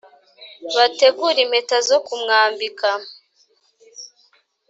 bategure impeta zo kumwambika